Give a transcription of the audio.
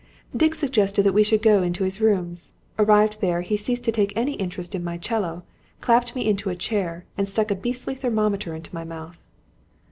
"Dick suggested that we should go to his rooms. Arrived there he ceased to take any interest in my 'cello, clapped me into a chair, and stuck a beastly thermometer into my mouth."